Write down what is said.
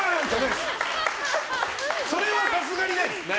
それはさすがにない。